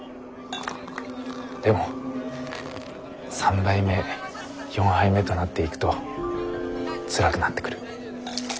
でも３杯目４杯目となっていくとつらくなってくる。